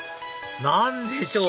何でしょう？